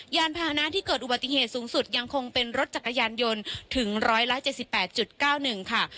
ยานพาหนะที่เกิดอุบัติเหตุสูงสุดยังคงเป็นรถจักรยานยนต์ถึง๑๗๘๙๑ค่ะ